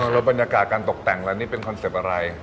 แล้วบรรยากาศการตกแต่งแล้วนี่เป็นคอนเซ็ปต์อะไร